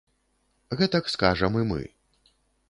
Гэтак скажам і мы.